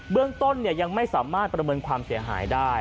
เรื่องต้นยังไม่สามารถประเมินความเสียหายได้